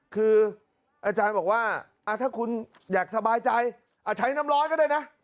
คืออาจารย์บอกว่าถ้าคุณอยากสบายใจใช้น้ำร้อยก็ได้นะ